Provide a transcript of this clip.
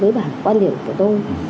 với bản quan điểm của tôi